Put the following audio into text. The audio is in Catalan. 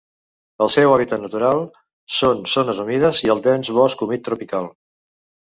El seu hàbitat natural són zones humides i el dens bosc humit tropical.